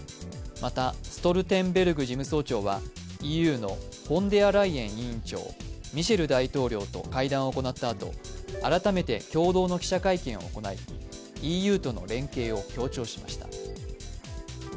また、ストルテンベルグ事務局長はＥＵのフォンデアライエン委員長ミシェル大統領と会談を行ったあと、共同の記者会見を行いＥＵとの連携を強調しました。